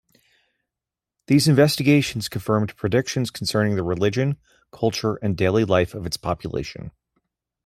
These investigations confirmed predictions concerning the religion, culture and daily life of its population.